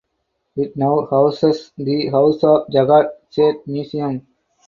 It now houses the House of Jagat Seth Museum.